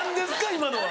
今のは。